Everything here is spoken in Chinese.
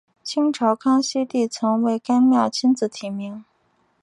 清朝康熙帝曾为该庙亲自赐名。